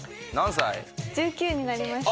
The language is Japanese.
１９になりました。